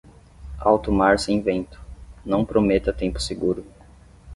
Alto mar sem vento, não prometa tempo seguro.